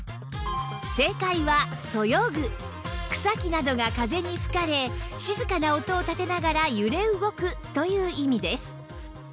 草木などが風に吹かれ静かな音を立てながら揺れ動くという意味です